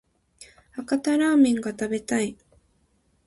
博多ラーメンが食べたい